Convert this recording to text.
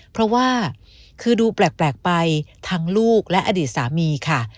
เพราะว่าคือดูแปลกไปทั้งลูกและอดีตสามีค่ะ